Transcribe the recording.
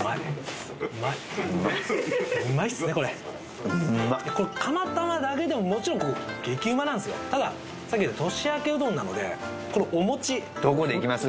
うまいっすねこれうまいこれ釜玉だけでももちろん激うまなんすよただ年明けうどんなのでこれお餅どこでいきます？